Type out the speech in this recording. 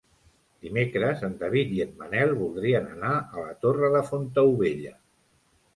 Dimecres en David i en Manel voldrien anar a la Torre de Fontaubella.